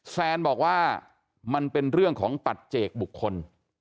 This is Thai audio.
แซนบอกว่ามันเป็นเรื่องของปัจเจกบุคคล